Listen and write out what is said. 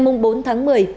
cơ quan cảnh sát điều tra